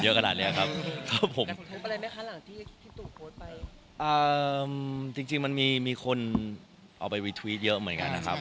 ได้รับผลครับตรงนี้ได้ที่พี่มาสับพาธิกันเยอะขนาดนี้ครับ